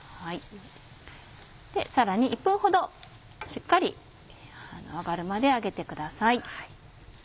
さらに１分ほどしっかり揚がるまで揚げてください。